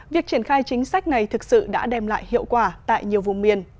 việc triển khai chính sách này thực sự đã đem lại hiệu quả tại nhiều vùng miền